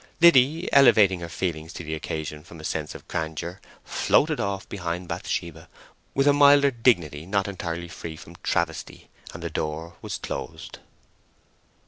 Liddy, elevating her feelings to the occasion from a sense of grandeur, floated off behind Bathsheba with a milder dignity not entirely free from travesty, and the door was closed.